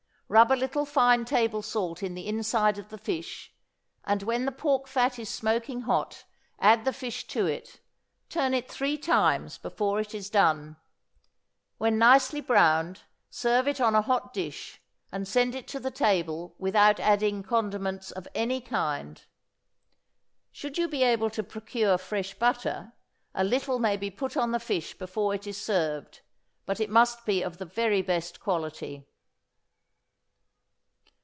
Rub a little fine table salt in the inside of the fish, and when the pork fat is smoking hot, add the fish to it; turn it three times before it is done. When nicely browned, serve it on a hot dish, and send it to the table without adding condiments of any kind. Should you be able to procure fresh butter, a little may be put on the fish before it is served, but it must be of the very best quality.